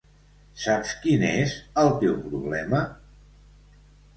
Saps quin és el teu problema?